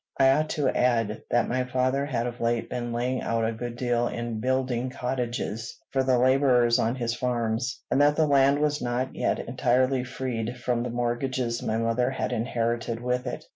I ought to add, that my father had of late been laying out a good deal in building cottages for the laborers on his farms, and that the land was not yet entirely freed from the mortgages my mother had inherited with it.